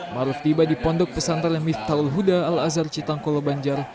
maruf tiba di pondok pesantren miftahul huda al azhar citangkolo banjar